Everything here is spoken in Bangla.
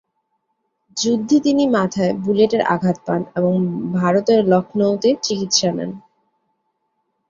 যুদ্ধে তিনি মাথায় বুলেটের আঘাত পান এবং ভারতের লখনউতে চিকিৎসা নেন।